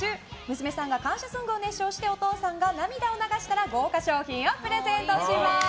娘さんが感謝ソングを熱唱してお父さんが涙を流したら豪華賞品をプレゼントします。